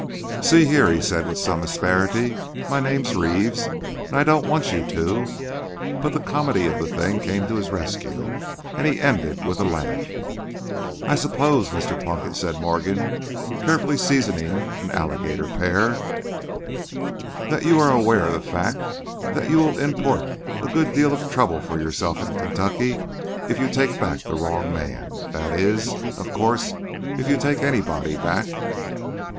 "See here," he said, with some asperity, "my name's Reeves, and I don't want you to—" But the comedy of the thing came to his rescue, and he ended with a laugh. "I suppose, Mr. Plunkett," said Morgan, carefully seasoning an alligator pear, "that you are aware of the fact that you will import a good deal of trouble for yourself into Kentucky if you take back the wrong man—that is, of course, if you take anybody back?"